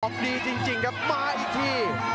ดีจริงครับมาอีกที